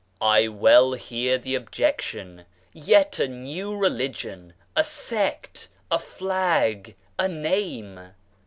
I well hear the objection : Yet a new religion, a sect, a flag, a name